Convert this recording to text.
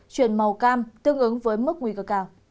chuyển màu cam tương ứng với mức nguy cơ cao